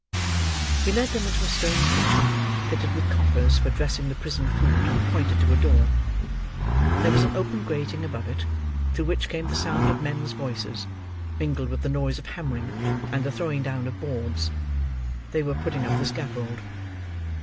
He led them into a stone kitchen, fitted with coppers for dressing the prison food, and pointed to a door. There was an open grating above it, through which came the sound of men's voices, mingled with the noise of hammering, and the throwing down of boards. They were putting up the scaffold.